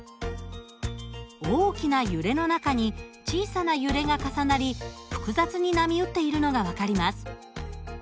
大きな揺れの中に小さな揺れが重なり複雑に波打っているのが分かります。